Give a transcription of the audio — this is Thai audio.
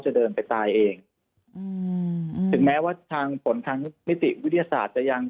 เดินไปตายเองอืมถึงแม้ว่าทางผลทางนิติวิทยาศาสตร์จะยัง